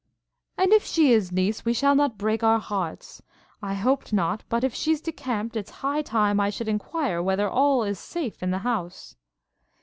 'And if she is, Niece, we shall not break our hearts, I hoped not but, if she's decamped, it's high time I should enquire whether all is safe in the house.'